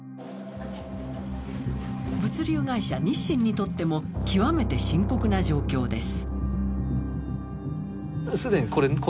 物流会社、日新にとっても極めて深刻な状況です。